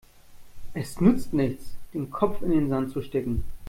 Es nützt nichts, den Kopf in den Sand zu stecken.